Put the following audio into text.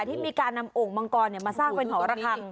ที่มีการนำโอ่งมังกรมาสร้างเป็นหอระคัง